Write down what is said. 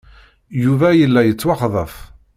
Yuba yella yettwaxḍef.